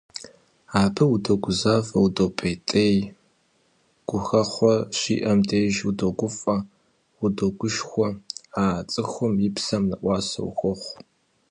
Абы удогузавэ, удопӏейтей, гухэхъуэ щиӏэм деж удогуфӏэ, удогушхуэ, а цӏыхум и псэм нэӏуасэ ухуохъу.